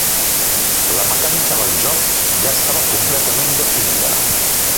La mecànica del joc ja estava completament definida.